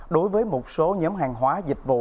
đối với một số nhóm hàng hóa dịch vụ